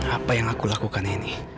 apa yang aku lakukan ini